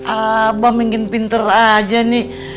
abah mungkin pinter aja nih